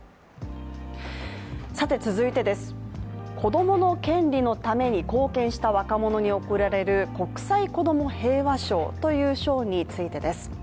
続いてです、子供の権利のために貢献した若者に贈られる国際子ども平和賞という賞についてです。